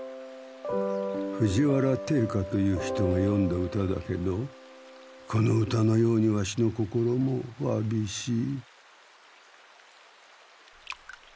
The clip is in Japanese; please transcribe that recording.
藤原定家という人がよんだ歌だけどこの歌のようにワシの心もわびしい。